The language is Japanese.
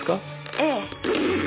ええ。